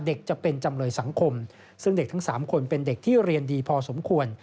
จะเป็นจำเลยสังคมซึ่งเด็กทั้ง๓คนเป็นเด็กที่เรียนดีพอสมควร